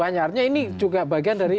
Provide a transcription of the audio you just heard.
banyak artinya ini juga bagian dari